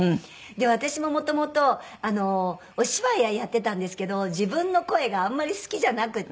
私ももともとお芝居はやってたんですけど自分の声があんまり好きじゃなくて。